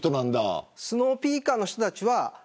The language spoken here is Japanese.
スノーピーカーの人たちは。